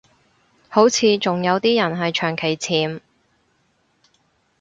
好似仲有啲人係長期潛